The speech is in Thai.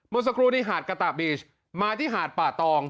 เมื่อสักครู่นี้หาดกะตะบีชมาที่หาดป่าตอง